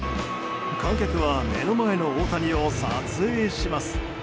観客は目の前の大谷を撮影します。